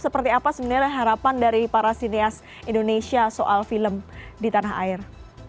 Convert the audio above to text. seperti apa sebenarnya harapan dari para sinias indonesia soal film di tanah air